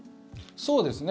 そうですね。